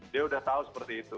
dia sudah tahu seperti itu